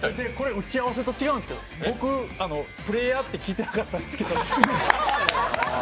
打ち合わせと違うんですけど、僕プレーヤーって聞いてなかったんですけど。